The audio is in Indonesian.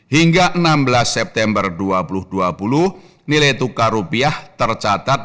hingga enam belas september dua ribu dua puluh nilai tukar rupiah tercatat